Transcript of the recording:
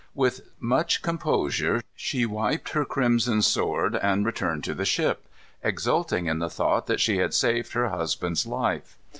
With much composure she wiped her crimsoned sword and returned to the ship, exulting in the thought that she had saved her husband's life.